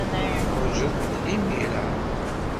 Teḥwajed-t imir-a?